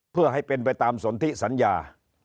เพื่อให้เป็นไปตามสนทิสัญญา